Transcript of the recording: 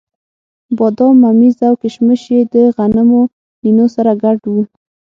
بادام، ممیز او کېشمش یې د غنمو نینو سره ګډ وو.